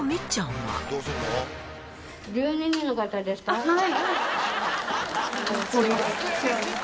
はい。